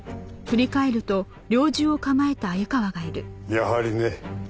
やはりね。